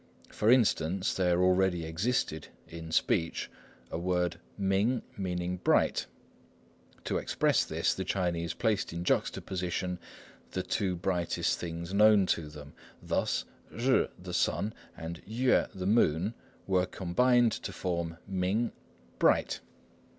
For instance, there already existed in speech a word ming, meaning "bright." To express this, the Chinese placed in juxtaposition the two brightest things known to them. Thus 日 the "sun" and 月 the "moon" were combined to form 明 ming "bright."